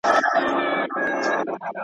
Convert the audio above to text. درې څلور يې وه غوايي په طبیله کي.